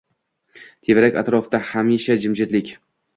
Tevarak atrofda hamisha jimjitlik